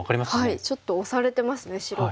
はいちょっと押されてますね白が。